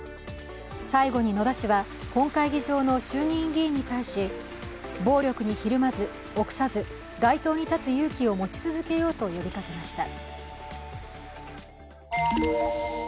最後に野田氏は、本会議場の衆議院議員に対し暴力にひるまず、臆さず、街頭に立つ勇気を持ち続けようと呼びかけました。